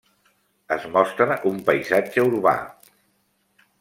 Es mostra un paisatge urbà.